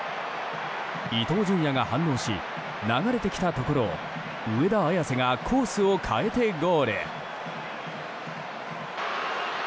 伊東純也が反応し流れてきたところを上田綺世がコースを変えてゴール。